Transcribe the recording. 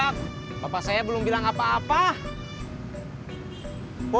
tunggu ya sumpah